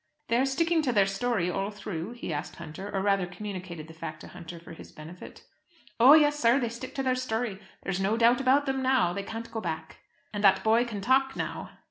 "They are sticking to their story, all through?" he asked Hunter, or rather communicated the fact to Hunter for his benefit. "Oh, yes! sir; they stick to their story. There is no doubt about them now. They can't go back." "And that boy can talk now?"